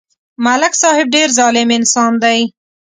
ملک صاحب ډېر ظالم انسان دی